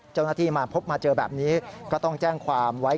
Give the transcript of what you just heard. เจ้าหน้าที่มาพบมาเจอแบบนี้ก็ต้องแจ้งความไว้